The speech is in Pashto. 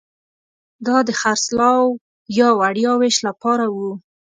دا د خرڅلاو یا وړیا وېش لپاره وو